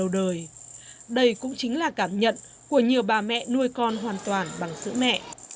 đây cũng chính là cảm nhận của nhiều bà mẹ nuôi con hoàn toàn bằng sữa mẹ